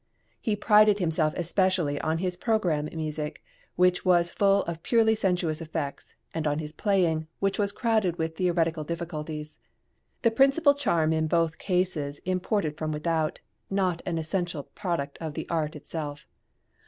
He prided himself especially on his programme music, which was full of purely sensuous effects, and on his playing, which was crowded with theoretical difficulties. The principal charm was in both cases imported from without, not an essential product of the art itself.